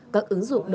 các ứng dụng độc hại